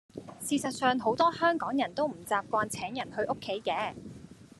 事實上好多香港人都唔習慣請人去屋企嘅